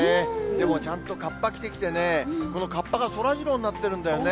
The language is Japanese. でもちゃんとかっぱ着てきてね、このかっぱがそらジローになっているんだよね。